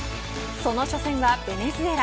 その初戦はベネズエラ。